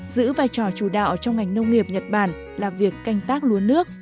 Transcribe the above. giữ vai trò chủ đạo trong ngành nông nghiệp nhật bản là việc canh tác lúa nước